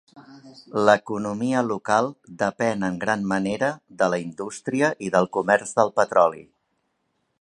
L'economia local depèn en gran manera de la indústria i del comerç del petroli.